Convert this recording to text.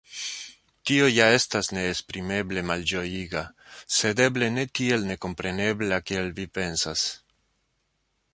Tio ja estas neesprimeble malĝojiga, sed eble ne tiel nekomprenebla, kiel vi pensas.